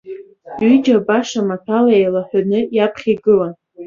Ҩыџьа баша маҭәала еилаҳәаны иаԥхьа игылан.